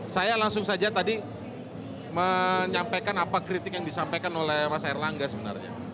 saya langsung saja tadi menyampaikan apa kritik yang disampaikan oleh mas erlangga sebenarnya